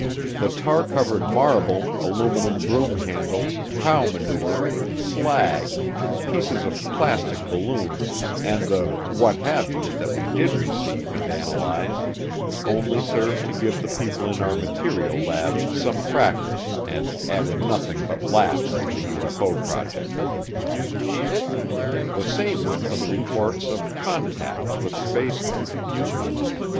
The tar covered marble, aluminum broom handle, cow manure, slag, pieces of plastic balloon, and the what have you that we did receive and analyze only served to give the people in our material lab some practice and added nothing but laughs to the UFO project. The same went for the reports of "contacts" with spacemen.